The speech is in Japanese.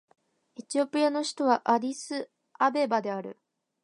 エチオピアの首都はアディスアベバである